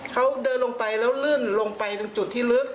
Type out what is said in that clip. เขาเดินลงไปแล้วลื่นลงไปตรงจุดที่ลึก